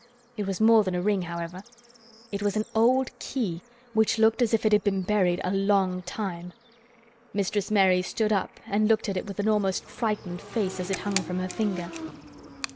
It was more than a ring, however; it was an old key which looked as if it had been buried a long time. Mistress Mary stood up and looked at it with an almost frightened face as it hung from her finger.